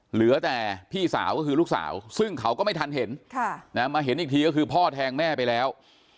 เหลือแต่พี่สาวก็คือลูกสาวซึ่งเขาก็ไม่ทันเห็นมาเห็นอีกทีก็คือพ่อแทงแม่ไปแล้ว